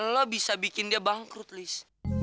lo bisa bikin dia bangkrut lis